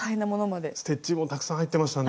ステッチもたくさん入ってましたね。